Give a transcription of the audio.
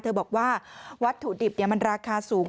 บอกว่าวัตถุดิบมันราคาสูง